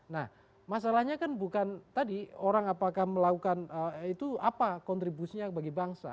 nah masalahnya kan bukan tadi orang apakah melakukan itu apa kontribusinya bagi bangsa